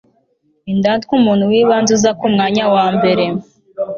indatwa umuntu w'ibanze uza ku mwanya wa mbere